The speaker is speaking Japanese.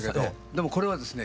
でもこれはですね